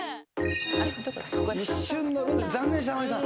一瞬残念でした天海さん。